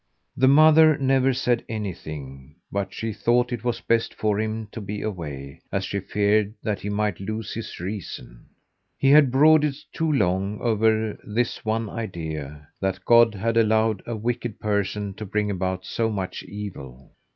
The mother never said anything, but she thought it was best for him to be away, as she feared that he might lose his reason. He had brooded too long over this one idea: that God had allowed a wicked person to bring about so much evil.